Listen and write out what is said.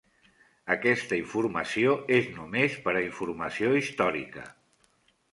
"Aquesta informació és només per a informació històrica".